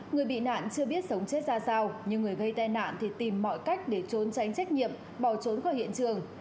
người bị nạn chưa biết sống chết ra sao nhưng người gây tai nạn thì tìm mọi cách để trốn tránh trách nhiệm bỏ trốn khỏi hiện trường